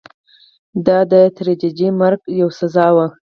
دا د تدریجي مرګ یوه سزا وه.